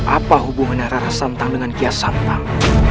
apa hubungannya rara santang dengan kian santang